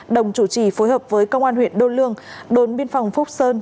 đồng chủ trì phối hợp với công an huyện đô lương đồn biên phòng phúc sơn